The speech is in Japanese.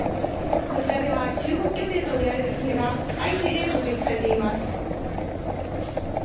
こちらでは中国漁船と見られる船が相次いで目撃されています。